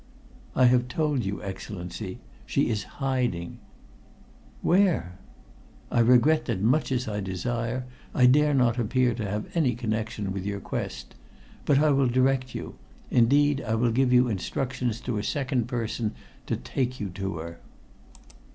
"I have told you, Excellency. She is in hiding." "Where?" "I regret that much as I desire, I dare not appear to have any connection with your quest. But I will direct you. Indeed, I will give you instructions to a second person to take you to her."